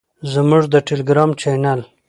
زموږ د ټیلیګرام چینل